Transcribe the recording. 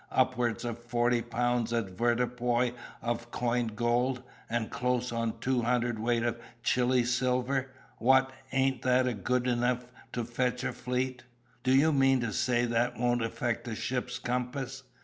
upwards of forty pounds avoirdupois of coined gold, and close on two hundredweight of Chile silver! What! ain't that good enough to fetch a fleet? Do you mean to say that won't affect a ship's compass?